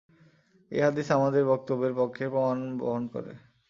এ হাদীস আমাদের বক্তব্যের পক্ষে প্রমাণ বহন করে।